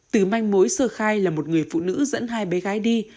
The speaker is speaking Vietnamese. từ manh mối sơ khai là một người phụ nữ dẫn hai bé gái đi